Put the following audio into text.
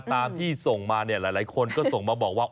ตามที่ส่งมาเนี่ยหลายคนก็ส่งมาบอกว่า